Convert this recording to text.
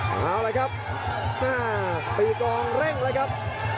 ใช้งานครับฟีกองเร่งไว้ครับ